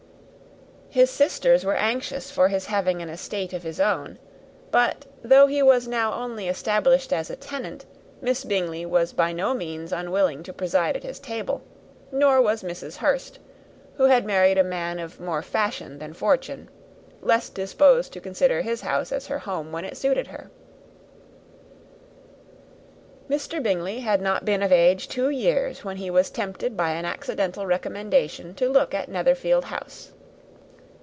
His sisters were very anxious for his having an estate of his own; but though he was now established only as a tenant, Miss Bingley was by no means unwilling to preside at his table; nor was Mrs. Hurst, who had married a man of more fashion than fortune, less disposed to consider his house as her home when it suited her. Mr. Bingley had not been of age two years when he was tempted, by an accidental recommendation, to look at Netherfield House.